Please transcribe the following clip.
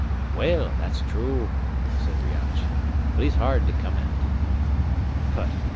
"Well, that's true," said Riach; "but he's hard to come at." "Hut!"